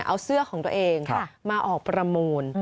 เอาเสื้อของตัวเองมาออกประมูล